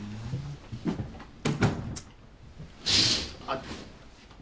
あっ。